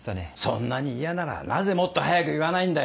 そんなに嫌ならなぜもっと早く言わないんだよ。